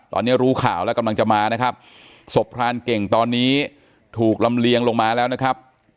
ตอนนี้รู้ข่าวแล้วกำลังจะมานะครับศพพรานเก่งตอนนี้ถูกลำเลียงลงมาแล้วนะครับ